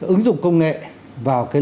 ứng dụng công nghệ vào cái